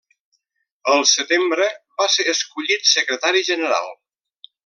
El setembre va ser escollit secretari general.